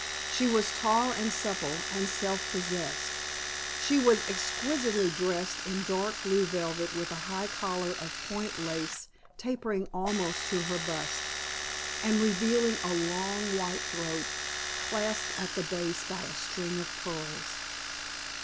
She was tall and supple and self possessed. She was exquisitely dressed in dark blue velvet with a high collar of point lace tapering almost to her bust, and revealing a long white throat clasped at the base by a string of pearls.